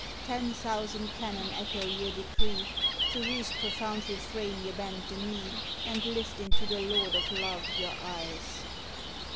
Ten thousand cannon echo your decree, To whose profound refrain ye bend the knee And lift into the Lord of Love your eyes.